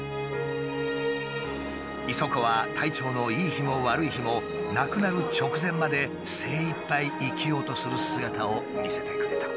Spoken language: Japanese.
イソコは体調のいい日も悪い日も亡くなる直前まで精いっぱい生きようとする姿を見せてくれた。